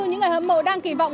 những người hâm mộ đang kỳ vọng